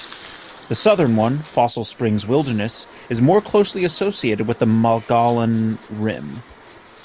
The southern one, Fossil Springs Wilderness, is more closely associated with the Mogollon Rim.